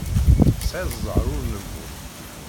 Tesɛiḍ ẓẓher ur nemmut.